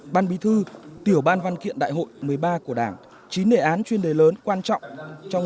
ban bí thư tiểu ban văn kiện đại hội một mươi ba của đảng chín đề án chuyên đề lớn quan trọng trong